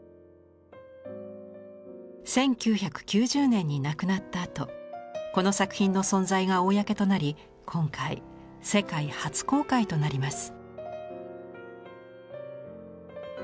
１９９０年に亡くなったあとこの作品の存在が公となり今回世界初公開となります。